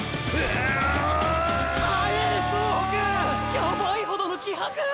ヤバイほどの気迫！！